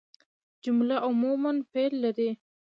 جمله عموماً فعل لري.